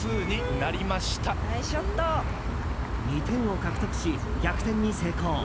２点を獲得し、逆転に成功。